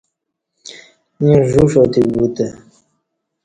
ییں ژ و ݜاتیک بوتہ